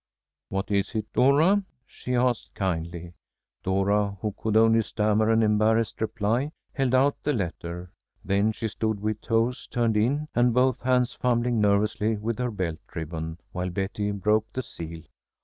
"What is it, Dora?" she asked, kindly. Dora, who could only stammer an embarrassed reply, held out the letter. Then she stood with toes turned in, and both hands fumbling nervously with her belt ribbon, while Betty broke the seal.